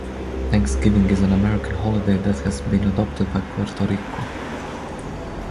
Thanksgiving is an American holiday that has been adopted by Puerto Rico.